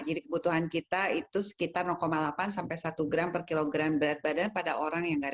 apa yang diper miles posta meteoris salinouble ya